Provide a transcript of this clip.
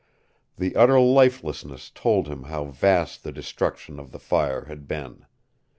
The utter lifelessness told him how vast the destruction of the fire had been.